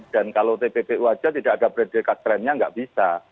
dan kalau tppu aja tidak ada predikat kerennya nggak bisa